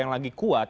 yang lagi kuat